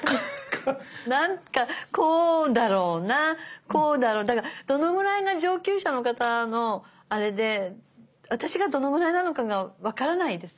なんかこうだろうなこうだろうだからどのぐらいが上級者の方のあれで私がどのぐらいなのかが分からないです。